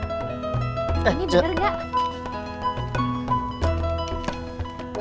ini bener gak